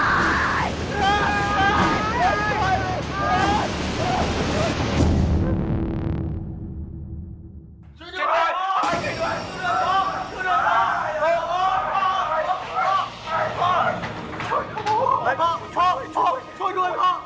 พี่ป๋องครับผมเคยไปที่บ้านผีคลั่งมาแล้ว